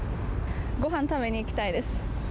ごはん食べに行きたいです。